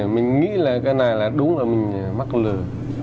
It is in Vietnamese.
mình nghĩ là cái này là đúng là mình mắc lừa